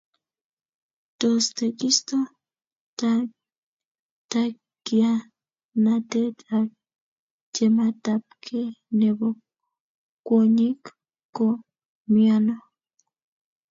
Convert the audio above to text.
Tos tekisto, takianatet ak chametabkei nebo kwonyik ko miano?